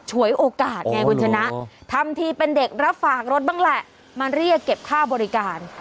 ฉวยโอกาสไงคุณชนะทำทีเป็นเด็กรับฝากรถบ้างแหละมาเรียกเก็บค่าบริการ